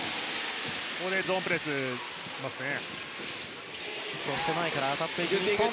ここでゾーンプレスできますね。